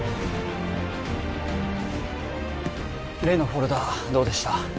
例のフォルダどうでした？